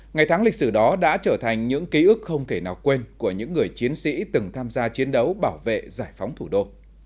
ngày tháng lịch sử đó đã trở thành những ký ức không thể nào quên của những người chiến sĩ từng tham gia chiến đấu bảo vệ giải phóng thủ đô